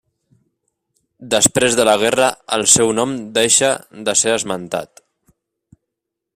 Després de la guerra el seu nom deixa de ser esmentat.